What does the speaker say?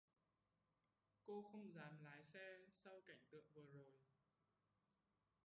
cô không dám lái xe sau cảnh tượng vừa rồi